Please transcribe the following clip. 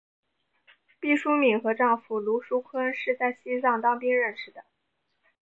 毕淑敏和丈夫芦书坤是在西藏当兵时认识的。